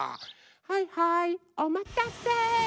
はいはいおまたせ。